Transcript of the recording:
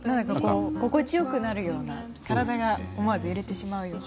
心地よくなるような体が思わず揺れてしまうような。